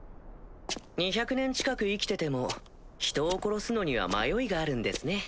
２００年近く生きてても人を殺すのには迷いがあるんですね。